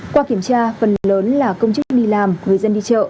qua kiểm tra phần lớn là công chức đi làm người dân đi chợ